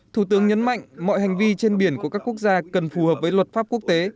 thủ tướng nhấn mạnh mọi hành vi trên biển của các quốc gia cần phù hợp với luật pháp quốc tế